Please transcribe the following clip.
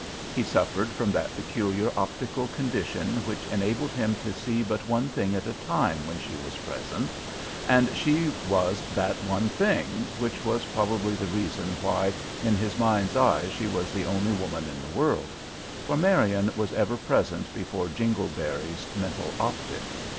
He suffered from that peculiar optical condition which enabled him to see but one thing at a time when she was present, and she was that one thing, which was probably the reason why in his mind's eye she was the only woman in the world, for Marian was ever present before Jingleberry's mental optic.